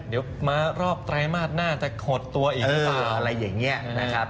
เดี๋ยวมารอบไตรมาสหน้าจะขดตัวอีกหรือเปล่าอะไรอย่างนี้นะครับ